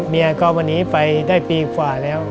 เมียก็วันนี้ไปได้ปีกว่าแล้ว